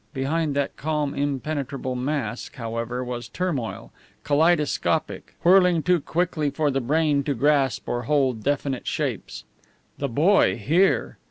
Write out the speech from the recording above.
Behind that calm, impenetrable mask, however, was turmoil, kaleidoscopic, whirling too quickly for the brain to grasp or hold definite shapes. The boy here!